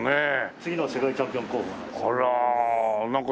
次の世界チャンピオン候補なんです。